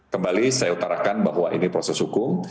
kembali saya utarakan bahwa ini proses hukum